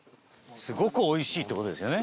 すごくおいしいって事ですよね？